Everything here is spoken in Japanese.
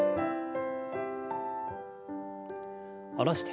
下ろして。